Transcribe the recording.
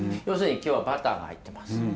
要するに今日はバターが入ってます。